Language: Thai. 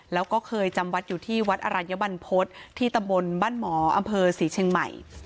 แล้วก็เคยจำวัดอยู่ที่วัดอรัญบรรพฤษที่ตำบลบ้านหมออำเภอศรีเชียงใหม่